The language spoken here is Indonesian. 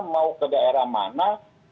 mau ke daerah mana